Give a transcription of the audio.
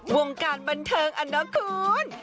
วงการบันเทิงอ่ะนะคุณ